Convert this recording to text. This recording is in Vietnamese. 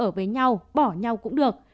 cháu ở với nhau bỏ nhau cũng được